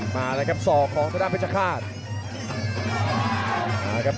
มาแล้วครับส่องของพระด้านเพชรชชะฆาต